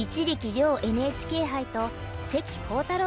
遼ＮＨＫ杯と関航太郎